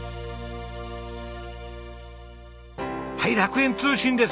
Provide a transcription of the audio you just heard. はい楽園通信です。